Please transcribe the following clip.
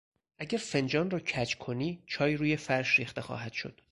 اگر فنجان را کج کنی چای روی فرش ریخته خواهد شد.